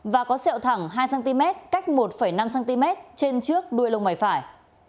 và có xẹo thẳng hai cm cách một năm cm trên trước đuôi lông bảy phải